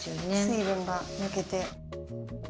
水分が抜けて。